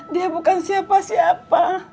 dia bukan siapa siapa